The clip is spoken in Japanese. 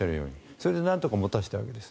それでなんとか持たせたわけです。